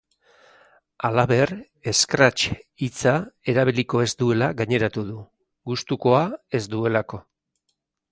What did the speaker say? Halaber, escrache hitza erabiliko ez duela gaineratu du, gustukoa ez duelako.